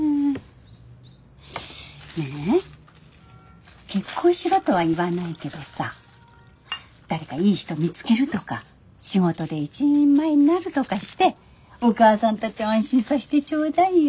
ねぇ結婚しろとは言わないけどさ誰かいい人見つけるとか仕事で一人前になるとかしてお母さんたちを安心させてちょうだいよ。